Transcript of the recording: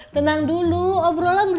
tenang dulu obrolan dulu